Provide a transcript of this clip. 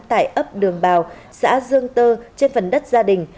tại ấp đường bào xã dương tơ trên phần đất gia đình